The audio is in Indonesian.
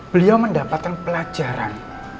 beliau mendapatkan pelajaran